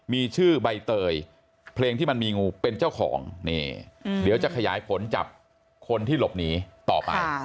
มีชื่อใบเตยเพลงที่มันมีงูเป็นเจ้าของนี่เดี๋ยวจะขยายผลจับคนที่หลบหนีต่อไป